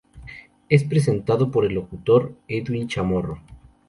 Es presentado por el locutor Edwin Chamorro.